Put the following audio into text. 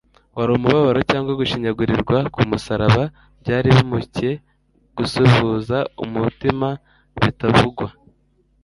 wari umubabaro cyangwa gushinyagurirwa ku musaraba byari bimutcye gusuhuza umutima bitavugwa.